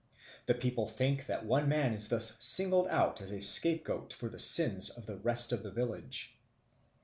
The people think that one man is thus singled out as a scapegoat for the sins of the rest of the village.